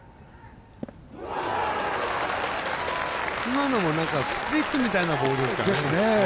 今のもスプリットみたいなボールですからね。